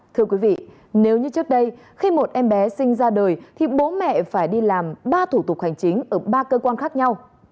thưa quý vị nếu như trước đây khi một em bé sinh ra đời thì bố mẹ phải đi làm ba thủ tục hành chính ở ba cơ quan khác nhau